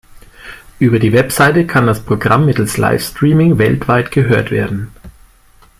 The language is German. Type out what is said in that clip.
Über die Webseite kann das Programm mittels Live-Streaming weltweit gehört werden.